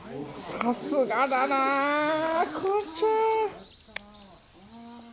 さすがだな近ちゃん。